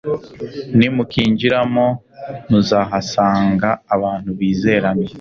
nimukinjiramo, muzahasanga abantu bizerana